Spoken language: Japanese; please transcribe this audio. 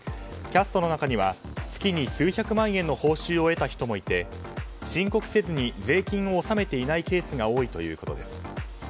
キャストの中には月に数百万円の報酬を得た人もいて申告せずに税金を納めていないケースが多いということです。